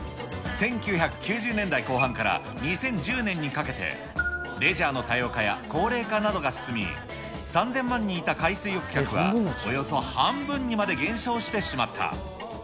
１９９０年代後半から、２０１０年にかけて、レジャーの多様化や高齢化などが進み、３０００万人いた海水浴客は、およそ半分にまで減少してしまった。